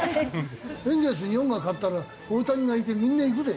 エンゼルス日本が買ったら大谷がいてみんな行くぜ？